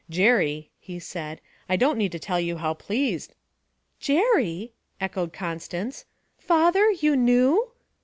'Jerry,' he said, 'I don't need to tell you how pleased ' '"Jerry!"' echoed Constance. 'Father, you knew?'